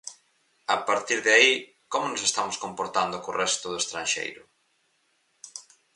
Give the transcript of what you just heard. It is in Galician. A partir de aí, ¿como nos estamos comportando co resto do estranxeiro?